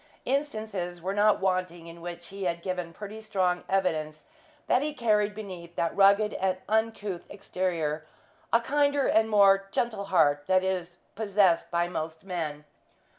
Instances were not wanting in which he had given pretty strong evidence that he carried beneath that rugged and uncouth exterior a kinder and more gentle heart than is possessed by most men.